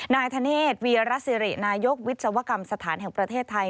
นายธเนธวีรสิรินายกวิศวกรรมสถานแห่งประเทศไทย